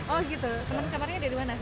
temen sekamarnya dari dimana